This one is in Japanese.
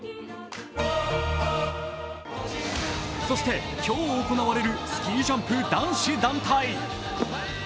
そして今日行われるスキージャンプ男子団体。